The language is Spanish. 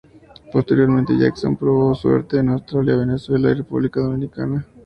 Posteriormente, Jackson probó suerte en Australia, Venezuela y República Dominicana.